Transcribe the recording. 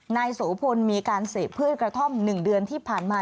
นายโสพลมีการเสพพืชกระท่อม๑เดือนที่ผ่านมา